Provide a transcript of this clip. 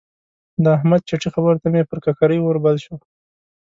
د احمد چټي خبرو ته مې پر ککرۍ اور بل شو.